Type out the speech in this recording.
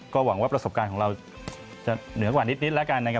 ก็หวังว่าประสบการณ์ของเราจะเหนือกว่านิดแล้วกันนะครับ